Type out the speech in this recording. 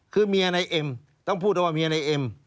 คือเมียในเอ็มต้องพูดว่าเมียในเอ็ม